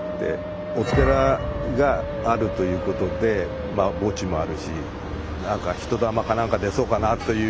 お寺があるということでまあ墓地もあるし何か人だまか何か出そうかなという。